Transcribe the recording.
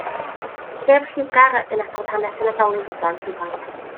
Llyfr lliwgar yn adrodd hanes y Nadolig i blant ifanc.